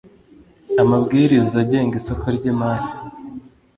Amabwiriza agenga Isoko ry Imari